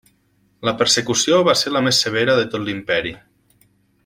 La persecució va ser la més severa de tot l'imperi.